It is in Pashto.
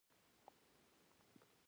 شېرګل وويل زه ډېر خپه يم.